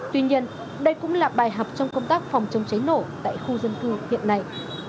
tuy nhiên đây cũng là bài học trong công tác phòng chống cháy nổ tại khu dân cư hiện nay